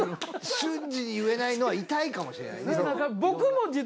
瞬時に言えないのは痛いかもしれないね。